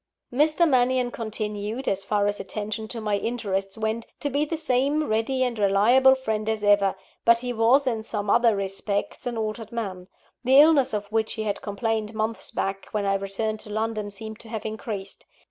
Mr. Mannion continued as far as attention to my interests went to be the same ready and reliable friend as ever; but he was, in some other respects, an altered man. The illness of which he had complained months back, when I returned to London, seemed to have increased.